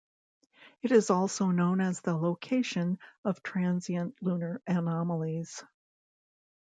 It is also known as a location of Transient Lunar Anomalies.